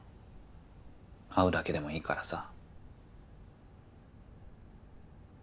会うだけでもいいからさ。